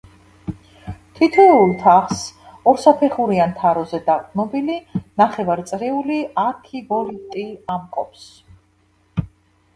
თითოეულ თაღს, ორსაფეხურიან თაროზე დაყრდნობილი, ნახევარწრიული არქივოლტი ამკობს.